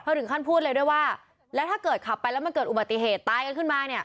ถึงขั้นพูดเลยด้วยว่าแล้วถ้าเกิดขับไปแล้วมันเกิดอุบัติเหตุตายกันขึ้นมาเนี่ย